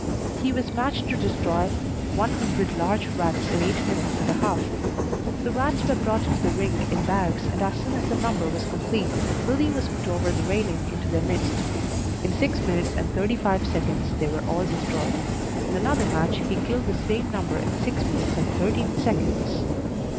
He was matched to destroy one hundred large rats in eight minutes and a half. The rats were brought into the ring in bags, and as soon as the number was complete Billy was put over the railing into their midst. In six minutes and thirty five seconds they were all destroyed. In another match he killed the same number in six minutes and thirteen seconds.